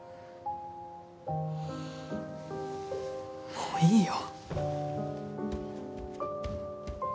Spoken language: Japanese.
もういいよ